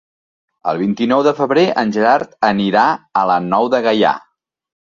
El vint-i-nou de febrer en Gerard anirà a la Nou de Gaià.